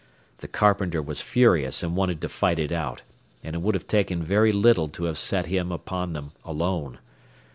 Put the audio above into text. The carpenter was furious and wanted to fight it out, and it would have taken very little to have set him upon them alone.